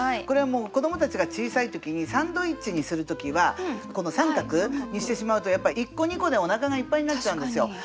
これは子どもたちが小さい時にサンドイッチにする時は三角にしてしまうとやっぱり１個２個でおなかがいっぱいになっちゃうんですよ。